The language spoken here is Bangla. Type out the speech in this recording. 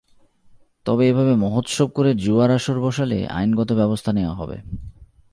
তবে এভাবে মহোৎসব করে জুয়ার আসর বসালে আইনগত ব্যবস্থা নেওয়া হবে।